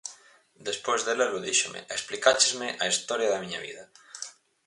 Despois de lelo, díxome: "explicáchesme a historia da miña vida".